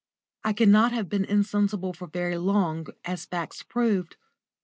I cannot have been insensible for very long, as facts proved.